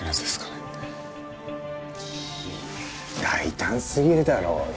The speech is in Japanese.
大胆すぎるだろう。